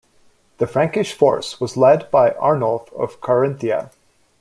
The Frankish force was led by Arnulf of Carinthia.